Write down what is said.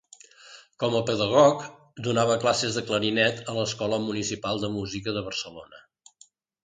Com a pedagog, donava classes de clarinet a l'Escola Municipal de Música de Barcelona.